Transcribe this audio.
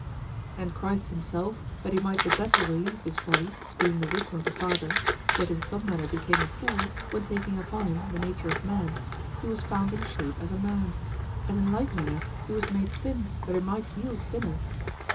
And Christ himself, that he might the better relieve this folly, being the wisdom of the Father, yet in some manner became a fool when taking upon him the nature of man, he was found in shape as a man; as in like manner he was made sin that he might heal sinners.